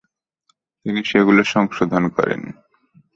তিনি সেগুলো সংশোধন করেন।